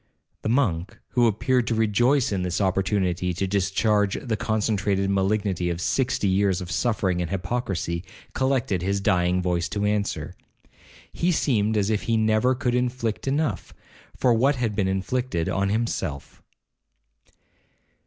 The monk, who appeared to rejoice in this opportunity to discharge the concentrated malignity of sixty years of suffering and hypocrisy, collected his dying voice to answer. He seemed as if he never could inflict enough, for what had been inflicted on himself.